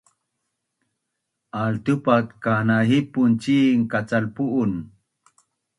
Altupat kanahipun cin kacalpu’un